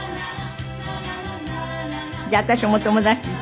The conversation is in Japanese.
じゃあ私もお友達に。